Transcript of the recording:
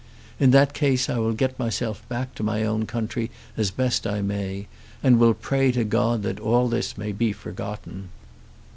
In that case I will get myself back to my own country as best I may, and will pray to God that all this may be forgotten."